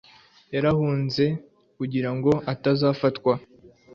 Yarahunze kugira ngo atazafatwa